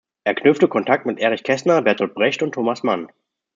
Er knüpfte Kontakt mit Erich Kästner, Bertolt Brecht und Thomas Mann.